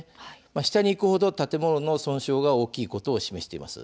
下にいく程、建物の損傷が大きいことを示しています。